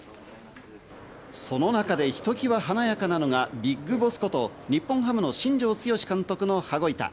その中でひときわ華やかなのが、ＢＩＧＢＯＳＳこと日本ハムの新庄剛志監督の羽子板。